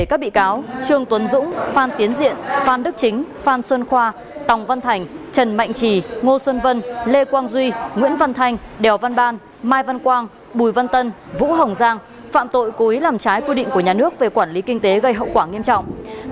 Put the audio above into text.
các bị cáo triệu ngọc hoan xoài ngọc hùng đỗ tiến đồng cà văn tỉnh phạm tội thiếu trách nhiệm gây hậu quả nghiêm trọng